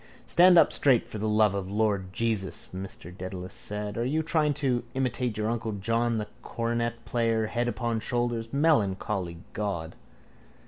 —Stand up straight for the love of the lord Jesus, Mr Dedalus said. Are you trying to imitate your uncle John, the cornetplayer, head upon shoulder? Melancholy God!